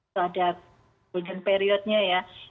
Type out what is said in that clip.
terhadap periodnya ya